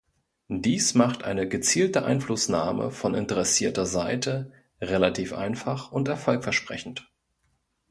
Dies macht eine gezielte Einflussnahme von interessierter Seite relativ einfach und erfolgversprechend.